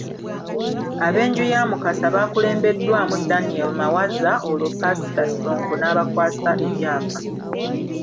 Ab’enju ya Mukasa baakulembeddwamu Daniel Mawaza, olwo Paasita Ssonko n’abakwasa ebyapa.